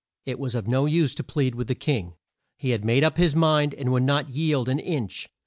It was of no use to plead with the king. He had made up his mind and would not yield an inch.